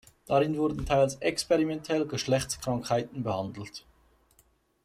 Darin wurden teils experimentell Geschlechtskrankheiten behandelt.